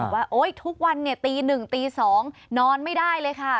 ว่าโอ๊ยทุกวันเนี่ยตีหนึ่งตีสองนอนไม่ได้เลยค่ะ